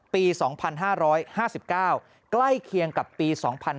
ปี๒๕๕๙ใกล้เคียงกับปี๒๕๕๙